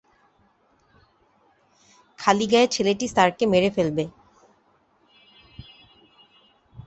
খালিগায়ে ছেলেটি স্যারকে মেরে ফেলবে।